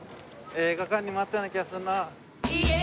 映画館にもあったような気がするな。